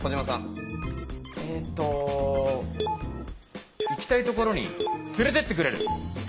えっと行きたいところに連れてってくれる！